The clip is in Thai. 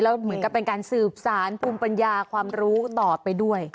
เหมือนกับเป็นการสืบสารภูมิปัญญาความรู้ต่อไปด้วย